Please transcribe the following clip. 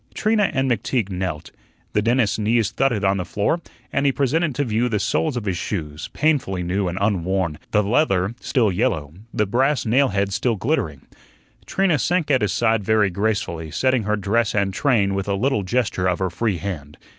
Trina and McTeague knelt. The dentist's knees thudded on the floor and he presented to view the soles of his shoes, painfully new and unworn, the leather still yellow, the brass nail heads still glittering. Trina sank at his side very gracefully, setting her dress and train with a little gesture of her free hand.